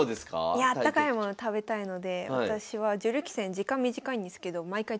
いやああったかいもの食べたいので私は女流棋戦時間短いんですけど毎回注文してますね。